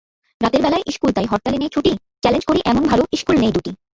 রাতের বেলার ইশকুল তাই হরতালে নেই ছুটিচ্যালেঞ্জ করি এমন ভালো ইশকুল নেই দুটি।